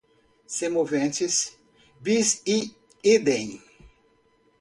semoventes, bis in idem